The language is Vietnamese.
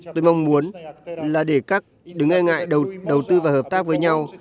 tôi mong muốn là để các đứa nghe ngại đầu tư và hợp tác với nhau